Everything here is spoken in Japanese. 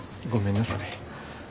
ごめんなさい。